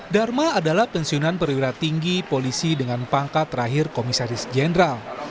dharma adalah pensiunan perwira tinggi polisi dengan pangkat terakhir komisaris jenderal